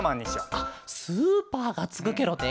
あっスーパーがつくケロね。